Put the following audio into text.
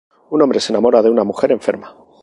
Un hombre se enamora de una mujer enferma.